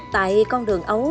tại con đường ấu